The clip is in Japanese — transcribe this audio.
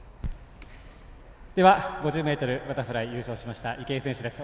５０ｍバタフライ優勝しました池江選手です。